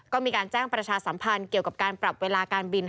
ก็มีการแจ้งประชาสัมพันธ์เกี่ยวกับการปรับเวลาการบิน